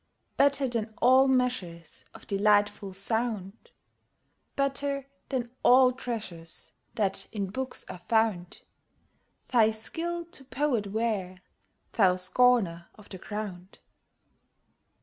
Better than all measures Of delightful sound, Better than all treasures That in books are found, Thy skill to poet were, thou scorner of the ground!